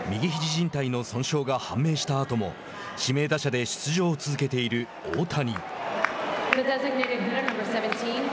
じん帯の損傷が判明したあとも指名打者で出場を続けている大谷。